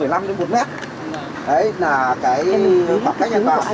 đấy là cái khoảng cách nhà tòa